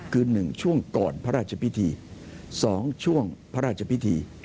คือ๑ช่วงก่อนพระราชพิธี๒ช่วงพระราชพิธี